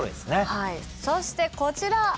そしてこちら。